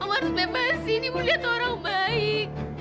om harus bebasin ibu lia tuh orang baik